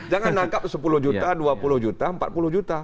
jangan nangkap sepuluh juta dua puluh juta empat puluh juta